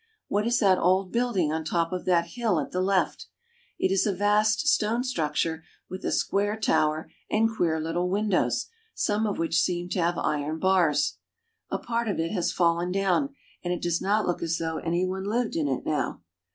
What is that odd building on the top of that hill at the left ? It is a vast stone structure with a square tower and queer little windows, some of which seem to have iron bars. A part of it has fallen down, and it does not look as though any one lived in it now.